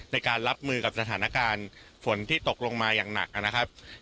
ในการรับมือกับสถานการณ์ฝนที่ตกลงมาอย่างหนักนะครับ